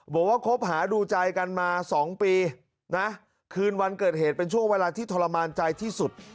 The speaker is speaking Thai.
คบหาดูใจกันมา๒ปีนะคืนวันเกิดเหตุเป็นช่วงเวลาที่ทรมานใจที่สุด